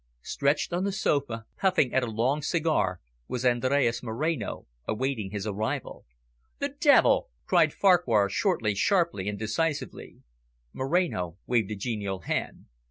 Stretched on the sofa, puffing at a long cigar, was Andres Moreno, awaiting his arrival. "The devil!" cried Farquhar shortly, sharply, and decisively. Moreno waved a genial hand.